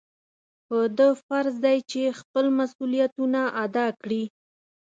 په ده فرض دی چې خپل مسؤلیتونه ادا کړي.